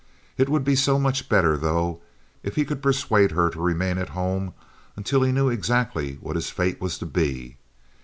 It would be so much better, though, if he could persuade her to remain at home until he knew exactly what his fate was to be.